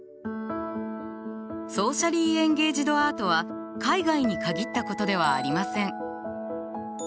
ソーシャリー・エンゲイジド・アートは海外に限ったことではありません。